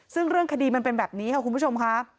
ซึ่งเรื่องคดีมันเป็นแบบนี้ค่ะคุณผู้ชมค่ะ